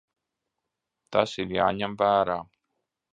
Tas ir jāņem vērā.